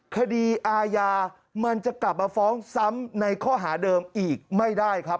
คดีอาญามันจะกลับมาฟ้องซ้ำในข้อหาเดิมอีกไม่ได้ครับ